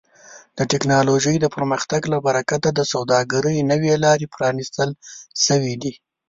د ټکنالوژۍ د پرمختګ له برکت د سوداګرۍ نوې لارې پرانیستل شوي دي.